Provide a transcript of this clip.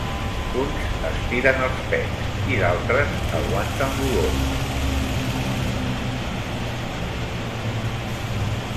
Uns es tiren els pets i d'altres aguanten l'olor.